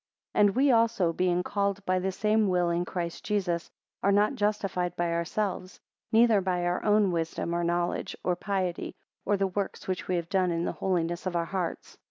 20 And we also being called by the same will in Christ Jesus, are not justified by ourselves, neither by our own wisdom, or knowledge, or piety, or the works which we have done in the holiness of our hearts.